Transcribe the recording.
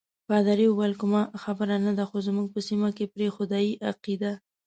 پادري وویل: کومه خبره نه ده، خو زموږ په سیمه کې پر خدای عقیده.